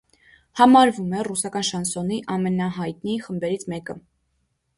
Համարվում է ռուսական շանսոնի ամենահայտնի խմբերից մեկը։